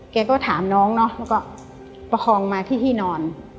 แกก็ถามน้องเนาะแล้วก็ประคองมาที่ที่นอน